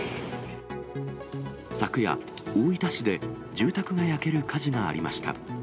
昨夜、大分市で住宅が焼ける火事がありました。